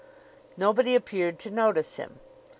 Nobody appeared to notice him.